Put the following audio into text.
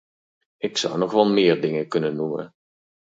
Ik zou nog wel meer dingen kunnen noemen.